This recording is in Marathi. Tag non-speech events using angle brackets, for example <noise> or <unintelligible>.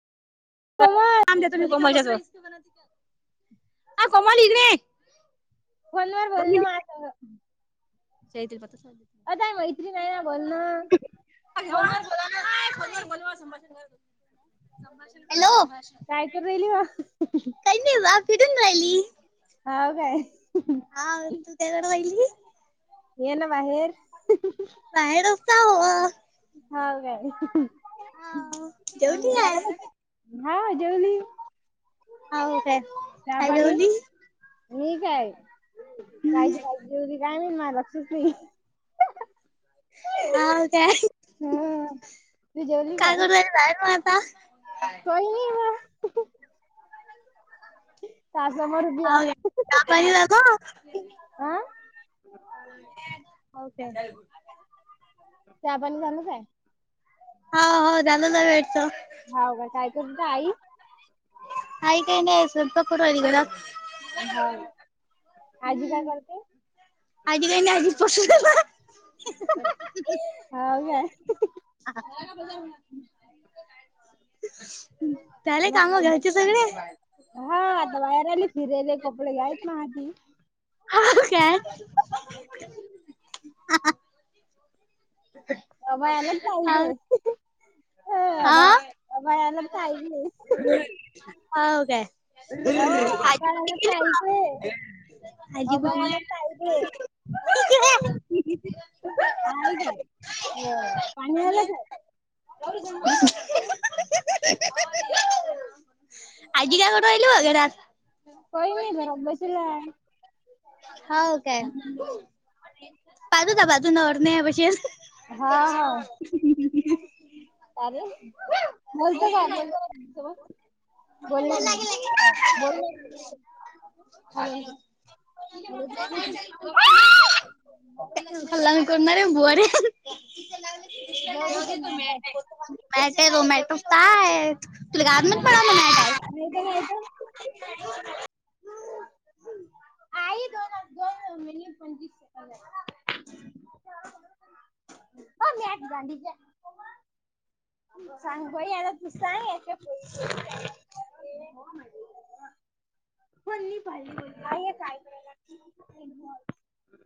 <unintelligible> आ कोमल कोमल इकडं ये. फोनवर बोल ना... मह्या संगं. <unintelligible> आताय मैत्री नाही, बोलणं. <inaudible> हॅलो, काय करू राहिली मग काही नाही जा फिडून राहिली. हाव काय. हा तू तेजावर वहिली. ये ना बाहेर. बाहेर असा व. हाव, झालं का हाव जेवली काय जेवण? हा जेवली. हाव काय, चहा काय पाणी जेवली? मी काय, काय हम्म जी काय जेवली. काय नाही माला सुख नाही. हाव त्या, हा तू जेवली काय करू जायाचं आज? <unintelligible> तोहीनी व. तासामोर उभी हाव, आहे पाणी लागो. हा <unintelligible> चहा -पाणी झालं काय? हो, हो झालं जा वेटचं. हाव का काय करूत आई? आय काय नाही, स्वल्प कडू गेलीया. हाव आजी काय करते? आज्जी काय नाही, आज्जी बसूनं हाय बा. हाव काय? <unintelligible> झाले मग कामं आजी घरचे सगळे. हा, आता वायरली फिरले कपडे हायेत माझी. हा, काय? बाय अलग टाईम हाव हेय. ह हा बाय अलग टाइम नाही. हाव काय? हो, आजी आभाळाला कुठे गेली टाइट बा हेय. आजी आबा कुठे हेला टाइट हेय. आहे घ्या, बरं पाणी आल काय? <unintelligible> आज्जी काय कोण राहिली अगे रात. काही नाही घरात बसेल आहे. हाव काय. <unintelligible> हा, हा. अ रे, बोलत का? बोललं का तुमच्यासोबत? बोल्या की, बोल्या की. हॅलो, हॅलो कोण? <unintelligible> जाऊदे तो मॅट हाय. <unintelligible> नाही तर काय तर. <unintelligible> <inaudible> आई दोन दोन मिनीट पंचवीस सेकड झाले. <unintelligible> ओ मॅट झाली ज्या <unintelligible> सांग बई याला तु सांग याक <unintelligible> पण नी <unintelligible> आई हे काय करायला लागत <unintelligible>